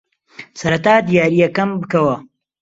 سەرەتا دیارییەکەم بکەوە.